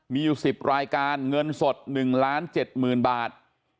มีอยู่๑๐รายการเงินสด๑๗๐๐๐บาท